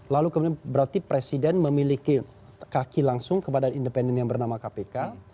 lalu kemudian berarti presiden memiliki kaki langsung kepada independen yang bernama kpk